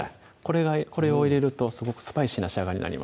これを入れるとすごくスパイシーな仕上がりになります